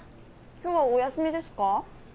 今日はお休みですか？